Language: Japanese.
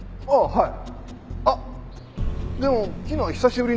はい。